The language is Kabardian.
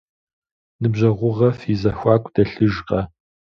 Ныбжьэгъугъэ фи зэхуаку дэлъыжкъэ?